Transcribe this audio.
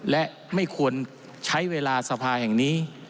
และไม่ควรใช้เวลาสภาแห่งนี้